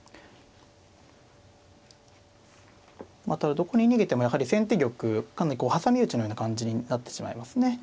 まあただどこに逃げてもやはり先手玉こう挟み撃ちのような感じになってしまいますね。